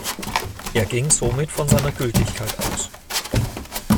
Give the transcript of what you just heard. Er ging somit von seiner Gültigkeit aus.